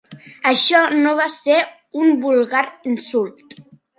Això no va ser un vulgar insult.